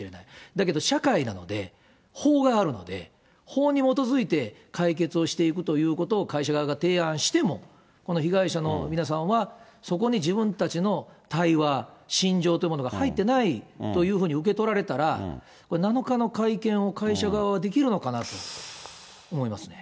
だけど社会なので、法があるので、法に基づいて解決をしていくということを会社側が提案しても、この被害者の皆さんはそこに自分たちの対話、心情というものが入ってないというふうに受け取られたら、これ、７日の会見を会社側はできるのかなと思いますね。